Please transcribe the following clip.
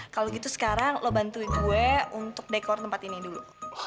kalau gitu sekarang lo bantuin gue untuk dekor tempat ini dulu